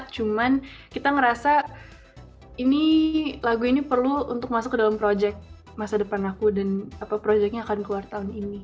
cuma kita ngerasa lagu ini perlu untuk masuk ke dalam proyek masa depan aku dan kita harus mencoba untuk mencapai itu